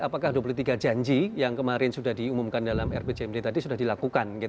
apakah dua puluh tiga janji yang kemarin sudah diumumkan dalam rpjmd tadi sudah dilakukan